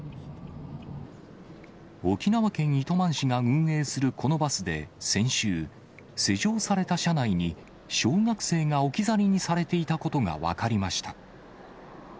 沖縄県糸満市が運営するこのバスで先週、施錠された車内に小学生が置き去りにされていたことが分かりました。